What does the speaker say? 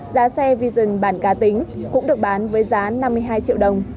giá xe vision bản ca tính cũng được bán với giá năm mươi hai triệu đồng